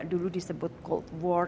dulu disebut cold war